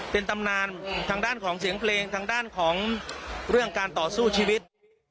เป็นตำนานทางด้านของเสียงเพลงทางด้านของเรื่องการต่อสู้ชีวิต